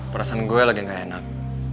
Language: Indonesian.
perasaan gue lagi gak enak